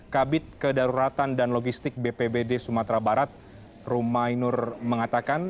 kabit kedaruratan dan logistik bpbd sumatera barat rumainur mengatakan